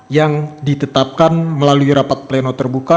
yang ditetapkan melalui rapat pleno terbuka